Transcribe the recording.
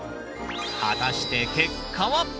果たして結果は？